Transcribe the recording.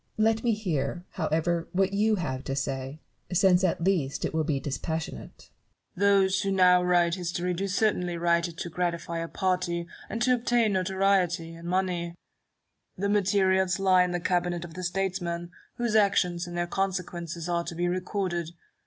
Barrow. Let me hear, however, what you have to say, since at least it will be dispassionate. Neivton. Those who now write history do certainly write it to gratify a party, and to obtain notoriety and money. The materials lie in the cabinet of the statesman, whose actions and their consequences are to be recorded.